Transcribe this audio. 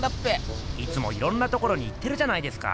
いつもいろんなところに行ってるじゃないですか。